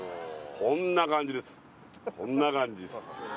こんな感じです